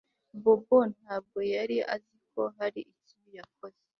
Bobo ntabwo yari azi ko hari ikibi yakoze